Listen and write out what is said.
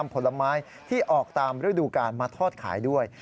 ผลไม้ที่ออกตามฤดูการมาทอดขายด้วย